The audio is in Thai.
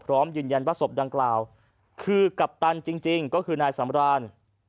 พร้อมยืนยันว่าศพดังกล่าวคือกัปตันจริงก็คือนายสำราน